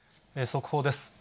速報です。